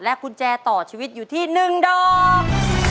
กุญแจต่อชีวิตอยู่ที่๑ดอก